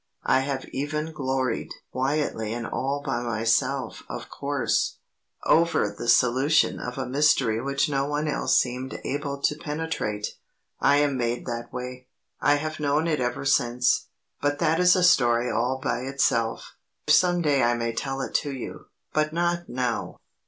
I have even gloried (quietly and all by myself, of course) over the solution of a mystery which no one else seemed able to penetrate. I am made that way. I have known it ever since but that is a story all by itself. Some day I may tell it to you, but not now."